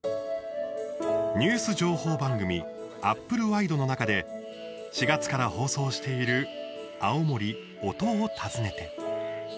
ニュース情報番組「あっぷるワイド」の中で４月から放送している「あおもり音を訪ねて」。